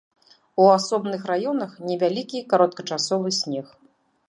У асобных раёнах невялікі кароткачасовы снег.